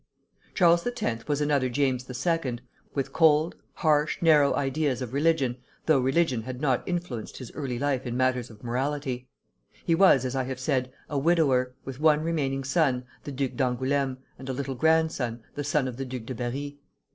Charles X. was another James II., with cold, harsh, narrow ideas of religion, though religion had not influenced his early life in matters of morality. He was, as I have said, a widower, with one remaining son, the Duc d'Angoulême, and a little grandson, the son of the Duc de Berri.